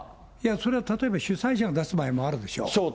それは例えば主催者が出す場合もあるでしょう。